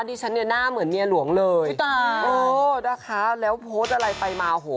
นี่ฉันหน้าเหมือนเมียหลวงเลยนะคะแล้วโพสต์อะไรไปมาโอ้โฮ